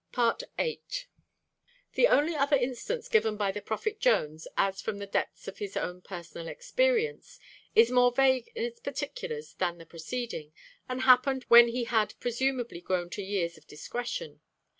VIII. The only other instance given by the Prophet Jones as from the depths of his own personal experience, is more vague in its particulars than the preceding, and happened when he had presumably grown to years of discretion.